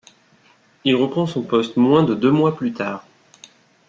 Il reprend son poste moins de deux mois plus tard.